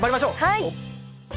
はい！